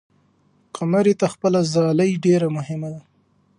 قمري ته خپله ځالۍ ډېره مهمه ده.